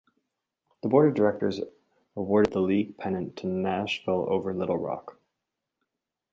The board of directors awarded the league pennant to Nashville over Little Rock.